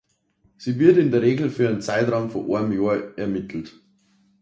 Sie wird in der Regel für einen Zeitraum von einem Jahr ermittelt.